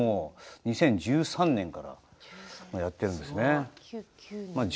２０１３年からやっているんですね。